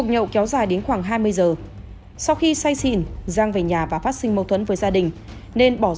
khoảng hai mươi một giờ khi đi qua vườn cà phê thấy chị hồng đang dọi đèn tới nước thì rục vọng của giang nổi lên do cơn say